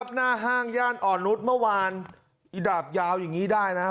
หน้าห้างย่านอ่อนนุษย์เมื่อวานอีดาบยาวอย่างนี้ได้นะครับ